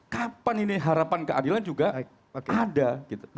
kapan ini harapan keadilan juga ada